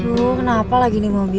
aduh kenapa lagi nih mobil